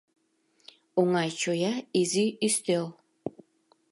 ОҤАЙ ЧОЯ ИЗИ ӰСТЕЛ